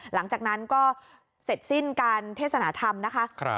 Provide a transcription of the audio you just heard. หลังจากนั้นก็เสร็จสิ้นการเทศนธรรมนะคะ